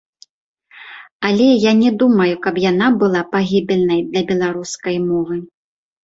Але я не думаю, каб яна была пагібельнай для беларускай мовы.